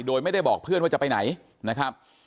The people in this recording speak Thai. โดยไม่ได้บอกเพื่อนว่าจะไปไหนนะครับ